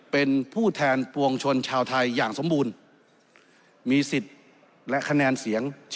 เป็นผู้แทนปวงชนชาวไทยอย่างสมบูรณ์